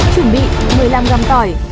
chuẩn bị một mươi năm g tỏi